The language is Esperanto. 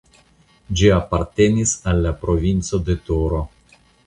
Ĝi apartenis al la Provinco de Toro.